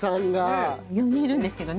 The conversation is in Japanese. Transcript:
４人いるんですけどね